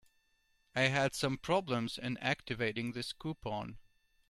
I had some problems in activating this coupon.